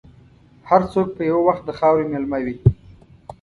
هر څوک به یو وخت د خاورې مېلمه وي.